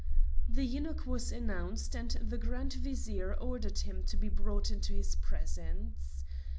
The eunuch was announced, and the Grand Vizier ordered him to be brought into his presence.